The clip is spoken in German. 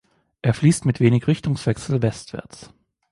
Er fließt mit wenig Richtungswechsel westwärts.